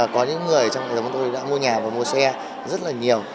có những người trong thời gian đó đã mua nhà và mua xe rất là nhiều